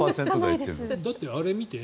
だって、あれ見て？